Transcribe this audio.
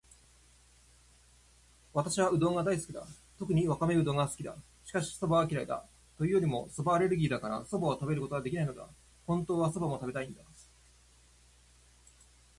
私はうどんが大好きだ。特にわかめうどんが好きだ。しかし、蕎麦は嫌いだ。というよりも蕎麦アレルギーだから、蕎麦を食べることができないのだ。本当は蕎麦も食べたいんだ。